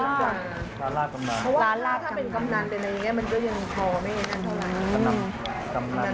ร้านล่ากำนันเพราะว่าถ้าเป็นกำนันแต่ในนี้มันจะยังพอไม่ได้เท่าไร